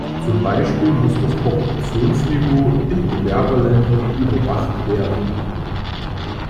Zum Beispiel muss das Korruptionsniveau in Bewerberländern überwacht werden.